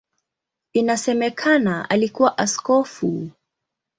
Inasemekana alikuwa askofu.